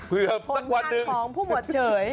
เผื่อสักวันนึงผลงานของผู้หมวดเฉย